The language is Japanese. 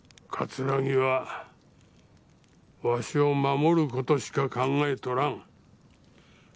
葛城はわしを守ることしか考えとらん。